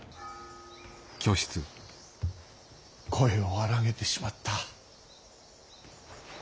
声を荒げてしまった。